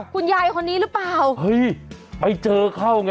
คุณยายคนนี้หรือเปล่าเฮ้ยไปเจอเข้าไง